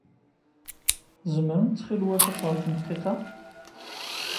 Tzemrem ttxil-wet ad taṛǧum dqiqa?